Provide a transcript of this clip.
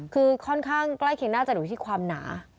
คือค่อนข้างใกล้เคียงน่าจะดูที่ความหนา